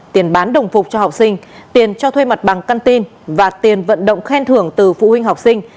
tiền bán đồng phục cho học sinh tiền cho thuê mặt bằng căn tin và tiền vận động khen thưởng từ phụ huynh học sinh